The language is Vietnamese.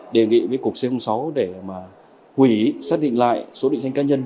đề nghị với cục c sáu để mà hủy xác định lại số định danh cá nhân